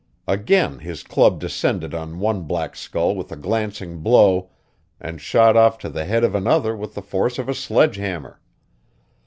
Again, his club descended on one black skull with a glancing blow and shot off to the head of another with the force of a sledge hammer.